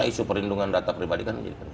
karena isu perlindungan data pribadi kan jadi